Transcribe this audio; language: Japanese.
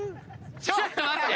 ちょっと待って。